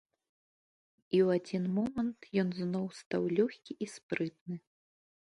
І ў адзін момант ён зноў стаў лёгкі і спрытны.